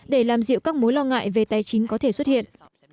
để làm dịu các mối lo ngại về tài chính có thể xuất hiện